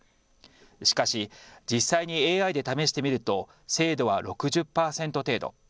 しかし実際にＡＩで試してみると精度は６０％程度。